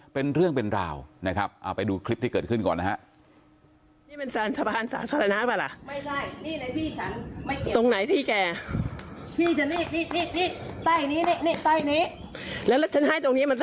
เป็นเรื่องเป็นราวนะครับเอาไปดูคลิปที่เกิดขึ้นก่อนนะฮะ